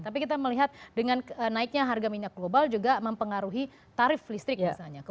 tapi kita melihat dengan naiknya harga minyak global juga mempengaruhi tarif listrik misalnya